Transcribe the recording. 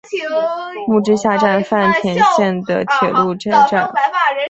木之下站饭田线的铁路车站。